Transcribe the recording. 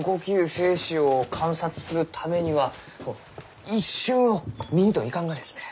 精子を観察するためにはこう一瞬を見んといかんがですね。